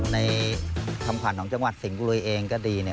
ในคำขวัญของจังหวัดสิงหลุยเองก็ดี